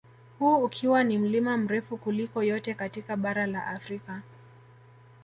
Huu ukiwa ni mlima mrefu kuliko yote katika bara la Afrika